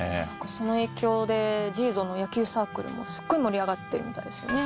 その影響でＪＩＤＯの野球サークルもすっごい盛り上がってるみたいですよね。